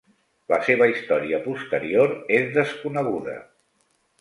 La seva història posterior és desconeguda.